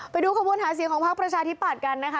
ไปดูขบวนหาเสียงของพักประชาธิปัตย์กันนะคะ